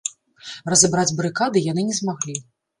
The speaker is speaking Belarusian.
Разабраць барыкады яны не змаглі.